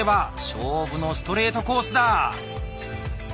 勝負のストレートコースだ！